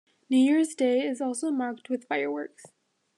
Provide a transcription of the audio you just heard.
New Year's Day is also marked with fireworks.